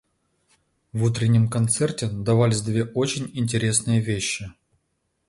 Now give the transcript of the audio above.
В утреннем концерте давались две очень интересные вещи.